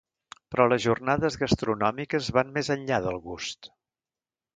Però les jornades gastronòmiques van més enllà del gust.